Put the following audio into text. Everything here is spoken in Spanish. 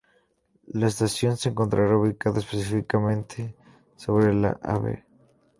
La estación se encontrará ubicada específicamente sobre la Av.